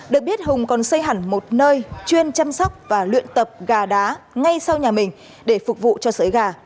được biết hùng còn xây hẳn một nơi chuyên chăm sóc và luyện tập gà đá ngay sau nhà mình để phục vụ cho sấy gà